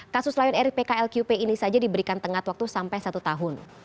kasus layuan ripk lqp ini saja diberikan tengah waktu sampai satu tahun